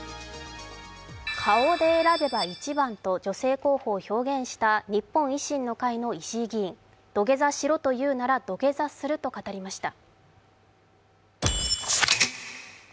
顔で選べた１番と女性候補を表現した日本維新の会の石井議員土下座しろというなら土下座すると語りました。